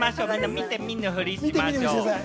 見て見ぬふりしましょう。